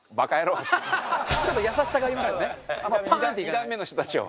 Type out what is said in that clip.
２段目の人たちを。